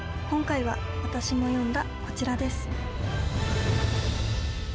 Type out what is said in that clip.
今回は、私も読んだこちらです。